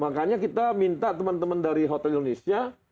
makanya kita minta teman teman dari hotel indonesia